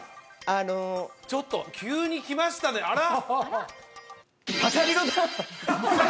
あのちょっと急に来ましたねあら！